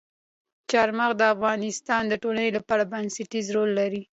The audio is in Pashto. چار مغز د افغانستان د ټولنې لپاره بنسټيز رول لري.